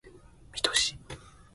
水戸市